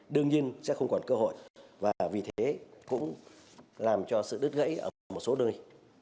đương nhiên sẽ không còn cơ hội và vì thế cũng làm cho sự đứt gãy ở một số nơi